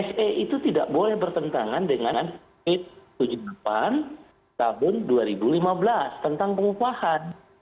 se itu tidak boleh bertentangan dengan et tujuh puluh delapan tahun dua ribu lima belas tentang pengupahan